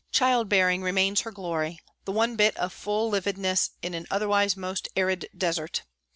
Child having remains her glory, the one bit of full livedness in an otherwise most arid desert.